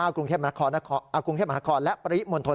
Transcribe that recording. กรุงเทพมหานครและปริมณฑล